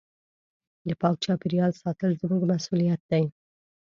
د پاک چاپېریال ساتل زموږ مسؤلیت دی.